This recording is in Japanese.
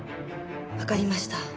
わかりました。